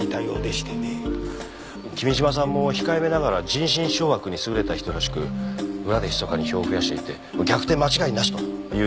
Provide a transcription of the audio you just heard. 君島さんも控えめながら人心掌握に優れた人らしく裏でひそかに票を増やしていて逆転間違いなしと言う人もいました。